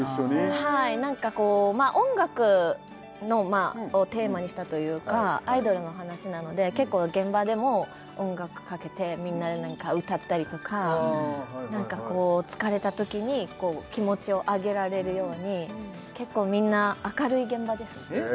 はい何かこうまあ音楽をテーマにしたというかアイドルのお話なので結構現場でも音楽かけてみんなで何か歌ったりとか何かこう疲れたときに気持ちを上げられるように結構みんな明るい現場ですねえっ